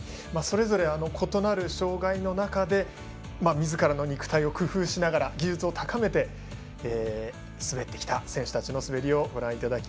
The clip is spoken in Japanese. それぞれ異なる障がいの中みずからの肉体を工夫しながら技術を高めて滑ってきた選手たちの滑りでした。